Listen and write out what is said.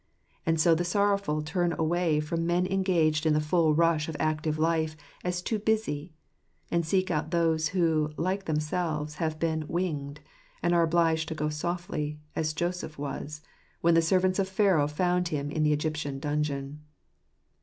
And so the sorrowful turn away ' from men engaged in the full rush of active life as too ; busy, and seek out those who, like themselves, have been 1 ™ n S ed '" and are obliged to go softly, as Joseph was, j jw en the servants of Pharaoh found him in the Egyptian ; j ungeon.